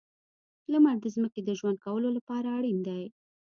• لمر د ځمکې د ژوند کولو لپاره اړین دی.